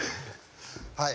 はい。